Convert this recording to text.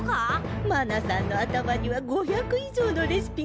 マナさんの頭には５００以上のレシピが入ってるのよ。